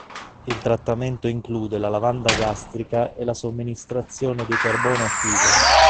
Il trattamento include la lavanda gastrica e la somministrazione di carbone attivo.